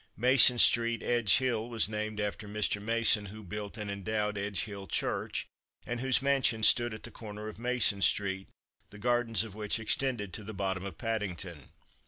Mason street, Edge hill, was named after Mr. Mason, who built and endowed Edge hill church, and whose mansion stood at the corner of Mason street, the gardens of which extended to the bottom of Paddington.